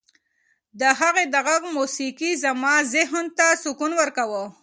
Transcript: د هغې د غږ موسیقي زما ذهن ته سکون ورکاوه.